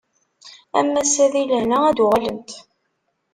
Am wass-a di lehna ad d-uɣalent.